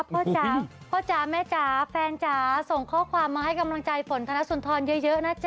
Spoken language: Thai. จ๋าพ่อจ๋าแม่จ๋าแฟนจ๋าส่งข้อความมาให้กำลังใจฝนธนสุนทรเยอะนะจ๊